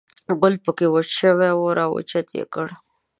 ګل په کې وچ شوی و، را اوچت یې کړ.